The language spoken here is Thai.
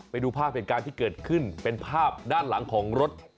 ไปดูภาพเหตุการณ์ที่เกิดขึ้นเป็นภาพด้านหลังของรถ